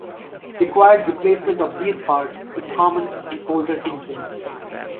Required replacement of these parts is common in older engines.